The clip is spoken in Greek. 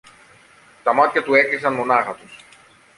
τα μάτια του έκλεισαν μονάχα τους